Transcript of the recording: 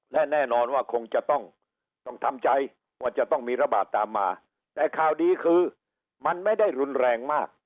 และแน่นอนว่าคงจะต้องทำใจว่าจะต้องมีระบาดตามมาแต่ข่าวดีคือมันไม่ได้รุนแรงมาก